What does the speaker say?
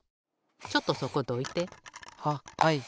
ちょっとそこどいて。ははい。